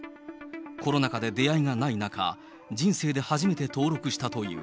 コロナ禍で出会いがない中、人生で初めて登録したという。